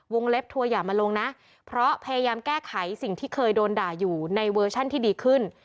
เล็บทัวร์อย่ามาลงนะเพราะพยายามแก้ไขสิ่งที่เคยโดนด่าอยู่ในเวอร์ชันที่ดีขึ้น